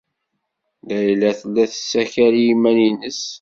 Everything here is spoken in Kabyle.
Layla tella tessakal i yiman-nnes.